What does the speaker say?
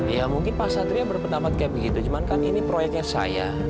ya mungkin pak satria berpendapat kayak begitu cuman kan ini proyeknya saya